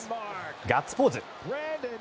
ガッツポーズ！